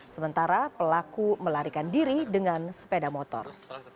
sementara pelaku melarikan diri dengan sepeda motor